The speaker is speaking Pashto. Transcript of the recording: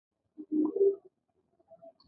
د ایران پولي واحد ریال دی.